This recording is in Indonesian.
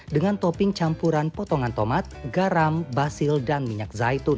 dengan topping campuran potongan tomat garam basil dan minyak zaitun